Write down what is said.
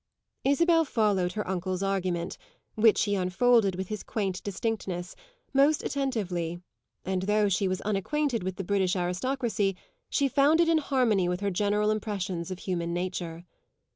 Isabel followed her uncle's argument, which he unfolded with his quaint distinctness, most attentively, and though she was unacquainted with the British aristocracy she found it in harmony with her general impressions of human nature.